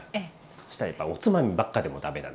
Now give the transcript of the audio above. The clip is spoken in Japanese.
そしたらやっぱりおつまみばっかでも駄目だな。